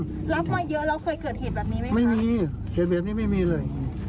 รับมาเยอะแล้วเคยเกิดเหตุแบบนี้ไหมไม่มีเหตุแบบนี้ไม่มีเลย